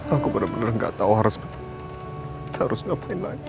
aku bener bener gak tahu harus apa yang harus ngapain lagi